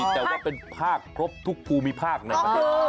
แต่ว่าเป็นภาคทุกครูมีภาคในภาค